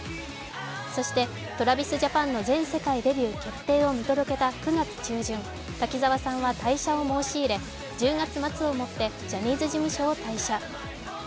そしてＴｒａｖｉｓＪａｐａｎの全世界デビューを見届けた９月中旬、滝沢さんは退社を申し入れ、１０月末をもってジャニーズ事務所を退社。